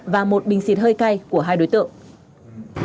và một bình xịt hơi cay của hai đối tượng